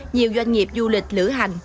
nhiều doanh nghiệp du lịch lửa hành